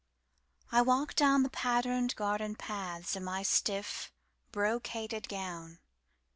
I walk down the patterned garden pathsIn my stiff, brocaded gown.